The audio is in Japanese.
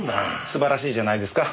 素晴らしいじゃないですか。